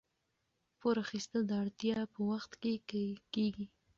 پور اخیستل د اړتیا په وخت کې کیږي.